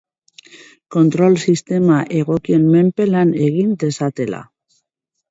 Kontrol sistema egokien menpe lan egin dezatela.